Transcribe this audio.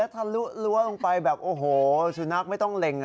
ถ้ารั้วลั้วลงไปแบบโอ้โฮสุนัขไม่ต้องเล็ง